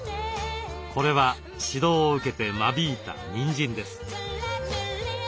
これは指導を受けて間引いたニンジンです。